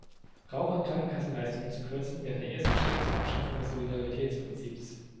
Rauchern Krankenkassenleistungen zu kürzen, wäre der erste Schritt zur Abschaffung des Solidaritätsprinzips.